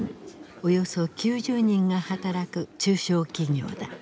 およそ９０人が働く中小企業だ。